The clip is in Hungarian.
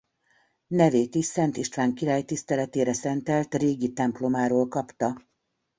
Nevét is Szent István király tiszteletére szentelt régi templomáról kapta.